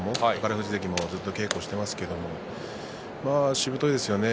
富士関もずっと稽古していますけどしぶといですよね